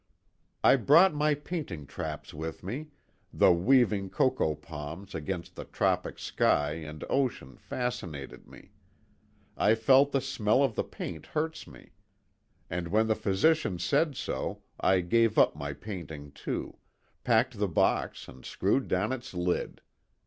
" I brought my painting traps with me the waving cocoa palms against the tropic sky and ocean fascinated me; I felt the smell of the paints hurt me, and when the physician said so, I gave up my painting too packed the box and screwed down its lid.